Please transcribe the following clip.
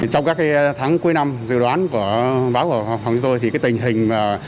trong các tháng cuối năm dự đoán của báo của phòng chúng tôi thì tình hình